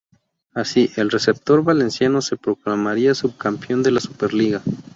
Así, el receptor valenciano se proclamaría sub-campeón de la Superliga.